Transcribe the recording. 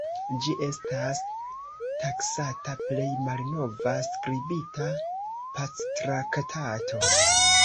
Ĝi estas taksata plej malnova skribita pactraktato.